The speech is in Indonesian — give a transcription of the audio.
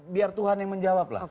biar tuhan yang menjawab lah